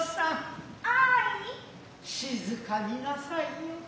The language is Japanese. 静になさいよ。